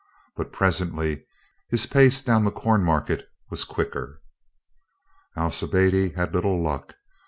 But presently his pace down the Cornmarket was quicker. Alcibiade had little luck.